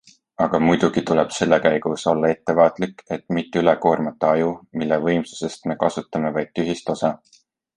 Aga muidugi tuleb selle käigus olla ettevaatlik, et mitte ülekoormata aju, mille võimsusest me kasutame vaid tühist osa.